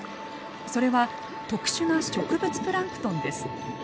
それは特殊な植物プランクトンです。